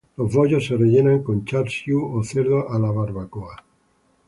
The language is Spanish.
Los bollos se rellenan con "char siu" o cerdo a la barbacoa.